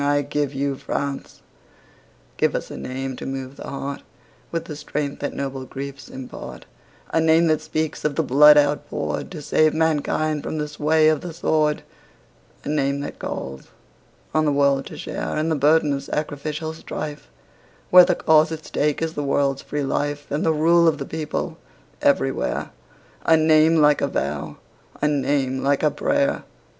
I give you France! Give us a name to move the heart With the strength that noble griefs impart, A name that speaks of the blood outpoured To save mankind from the sway of the sword, A name that calls on the world to share In the burden of sacrificial strife When the cause at stake is the world's free life And the rule of the people everywhere, A name like a vow, a name like a prayer.